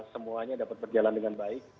semuanya dapat berjalan dengan baik